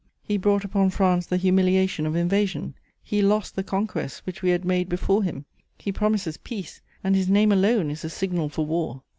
He brought upon France the humiliation of invasion; he lost the conquests which we had made before him. He promises peace, and his name alone is a signal for war.